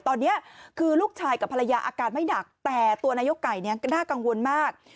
ตอนนี้คือลูกชายกับภรรยาอาการไม่หนักแต่ตัวนายกไก่น่ากังวลมาก